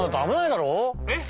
えっ？